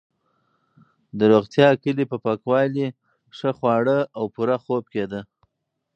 د روغتیا کلي په پاکوالي، ښه خواړه او پوره خوب کې ده.